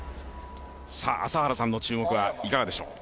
朝原さんの注目はいかがでしょう？